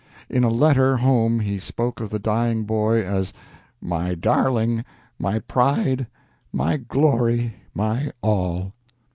In a letter home he spoke of the dying boy as "My darling, my pride, my glory, my all."